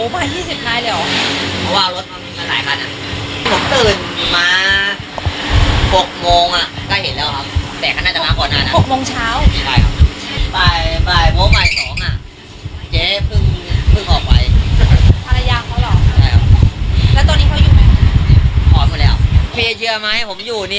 เป็นนักการเมืองดังแต่ไม่เคยออกจากบ้านมาคุยมาเจออะไรกับชาวบ้าน